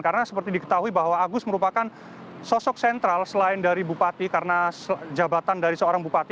karena seperti diketahui bahwa agus merupakan sosok sentral selain dari bupati karena jabatan dari seorang bupati